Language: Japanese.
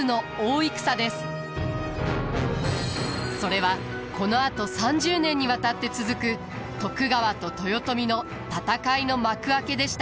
それはこのあと３０年にわたって続く徳川と豊臣の戦いの幕開けでした。